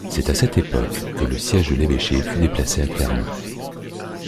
C’est à cette époque que le siège de l’évêché fut déplacé à Clermont.